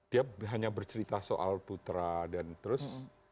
dia hanya bercerita soal putra dan terus